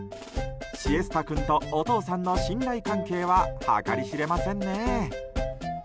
シエスタ君とお父さんの信頼関係は計り知れませんね。